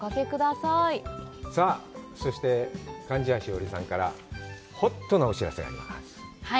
さあ、そして貫地谷しほりさんからホットなお知らせがあります。